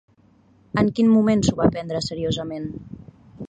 En quin moment s'ho va prendre seriosament?